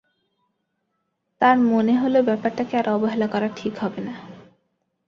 তাঁর মনে হল ব্যাপারটাকে আর অবহেলা করা ঠিক হবে না।